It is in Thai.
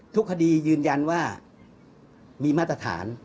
ทุกคดียืนยันว่ามีมาตรฐาน